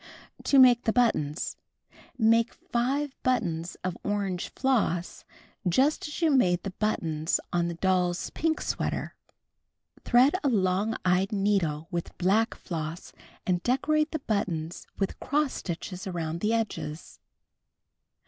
To Make the Buttons: Make 5 buttons of orange floss just as you made the buttons on the doll's pink sweater (see page 205). Thread a long eyed needle with black floss and decorate the buttons with cross stitches around the edges.